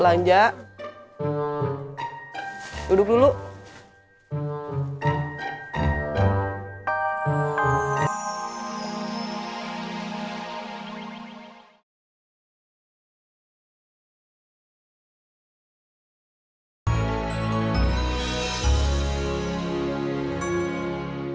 terbangnya di warung belanja